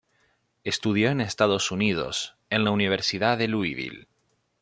Estudió en Estados Unidos en la Universidad de Louisville.